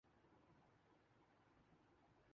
تو پھر رونا کیا؟